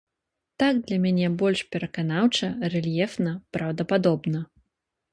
Так для мяне больш пераканаўча, рэльефна, праўдападобна.